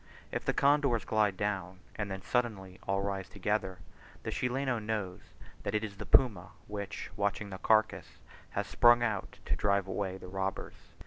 If the condors glide down, and then suddenly all rise together, the Chileno knows that it is the puma which, watching the carcass, has sprung out to drive away the robbers.